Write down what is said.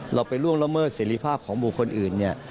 ไปล่วงละเมิดเสร็จภาพของบุคคลอื่นเนี่ย